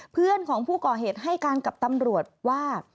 เพื่อนของผู้ก่อเหตุให้การกับตำรวจว่า